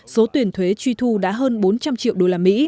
số tuyển thuế truy thu đã hơn bốn trăm linh triệu usd